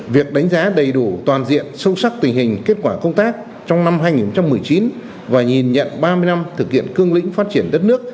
việc đánh giá đầy đủ toàn diện sâu sắc tình hình kết quả công tác trong năm hai nghìn một mươi chín và nhìn nhận ba mươi năm thực hiện cương lĩnh phát triển đất nước